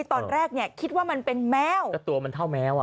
ตอนแรกเนี่ยคิดว่ามันเป็นแมวแต่ตัวมันเท่าแมวอ่ะ